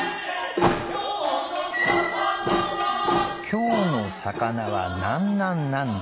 「今日の肴はなんなんなんの」